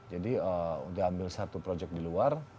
jadi udah ambil satu proyek di luar